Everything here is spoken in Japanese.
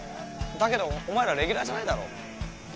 だけどお前らレギュラーじゃないだろ？